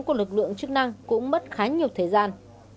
của lực lượng chức năng cũng mất khá nhiều thời gian